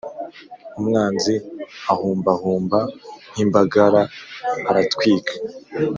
Umwanzi ahumbahumba Nk’imbagara aratwika!